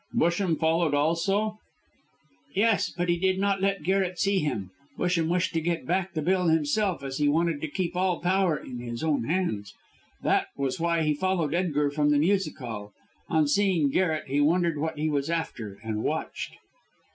"Busham followed also?" "Yes, but he did not let Garret see him. Busham wished to get back the bill himself, as he wanted to keep all power in his own hands. That was why he followed Edgar from the music hall. On seeing Garret, he wondered what he was after, and watched."